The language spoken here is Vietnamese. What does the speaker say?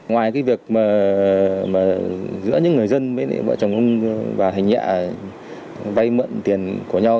ngoài việc giữa những người dân với vợ chồng ông và thành nhẹ vay mượn tiền của nhau